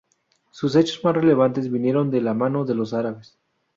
Sus hechos más relevantes vinieron de la mano de los árabes.